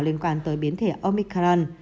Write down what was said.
liên quan tới biến thể omicron